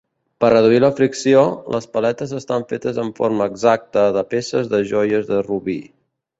Per reduir la fricció, les paletes estan fetes amb forma exacta de peces de joies de robí.